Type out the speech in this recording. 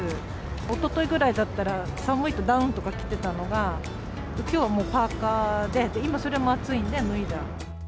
おとといぐらいだったら寒いとダウンとか着てたのが、きょうはもうパーカーで、今、それも暑いんで脱いだ。